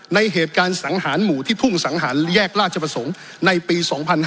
ในเหตุการณ์สังหารหมู่ที่ทุ่งสังหารแยกราชประสงค์ในปี๒๕๕๙